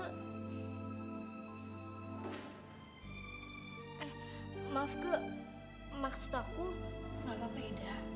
eh maaf ke maksud aku gak apa apa ida